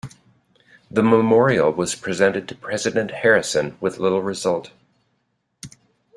The Memorial was presented to President Harrison with little result.